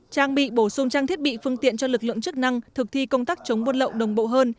trang bị bổ sung trang thiết bị phương tiện cho lực lượng chức năng thực thi công tác chống buôn lậu đồng bộ hơn